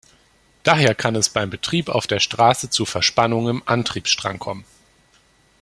Daher kann es beim Betrieb auf der Straße zu Verspannungen im Antriebsstrang kommen.